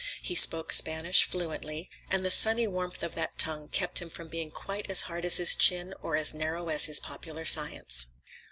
He spoke Spanish fluently, and the sunny warmth of that tongue kept him from being quite as hard as his chin, or as narrow as his popular science.